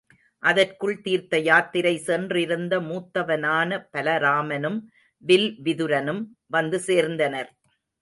அதற்குள் தீர்த்த யாத்திரை சென்றிருந்த மூத்தவனான பலராமனும் வில் விதுரனும் வந்து சேர்ந்தனர்.